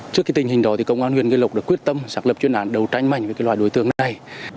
trước tình hình đó công an huyện nghi lộc đã quyết tâm sạc lập chuyên án đầu tranh mạnh với loại đối tượng này